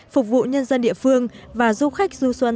phục vụ nhân dân địa phương và du khách du xuân